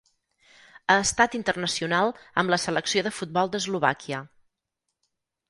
Ha estat internacional amb la Selecció de futbol d'Eslovàquia.